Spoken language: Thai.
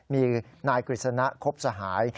มีนายกฤษณะครบสหาย